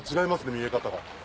見え方が。